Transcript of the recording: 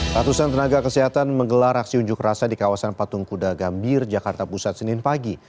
ratusan tenaga kesehatan menggelar aksi unjuk rasa di kawasan patung kuda gambir jakarta pusat senin pagi